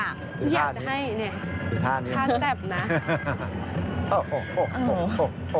อยากจะให้เนี่ยท่าแซ่บนะ